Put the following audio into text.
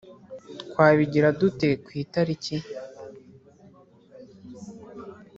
Twabigira dute ku itariki?